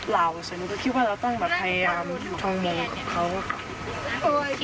เราคิดว่าเราต้องพยายามทรงมูลกับเขา